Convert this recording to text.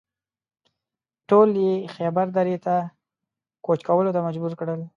ټول یې خیبر درې ته کوچ کولو ته مجبور کړل.